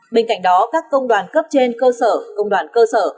bên cạnh đó các công đoàn cấp trên cơ sở công đoàn cơ sở